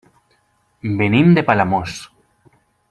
Venim de Palamós.